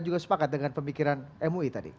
juga sepakat dengan pemikiran mui tadi